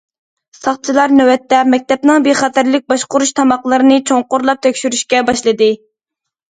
ساقچىلار نۆۋەتتە مەكتەپنىڭ بىخەتەرلىك باشقۇرۇش تارماقلىرىنى چوڭقۇرلاپ تەكشۈرۈشكە باشلىدى.